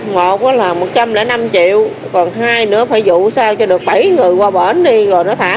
một là một trăm linh năm triệu còn hai nữa phải dụ sao cho được bảy người qua bến đi rồi nó thả